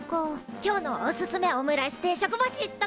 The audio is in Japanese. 今日のおすすめオムライス定食星とかどうだ？